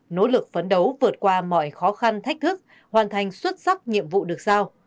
nỗ lực phấn đấu vượt qua mọi khó khăn thách thức hoàn thành xuất sắc nhiệm vụ được sao